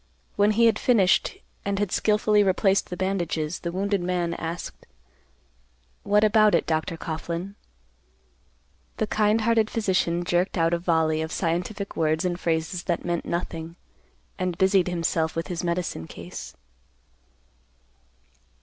When he had finished and had skilfully replaced the bandages, the wounded man asked, "What about it, Dr. Coughlan?" The kind hearted physician jerked out a volley of scientific words and phrases that meant nothing, and busied himself with his medicine case.